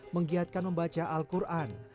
menggiatkan membaca al quran